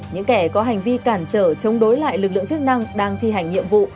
những kẻ có hành vi cản trở chống đối lại lực lượng chức năng đang thi hành nhiệm vụ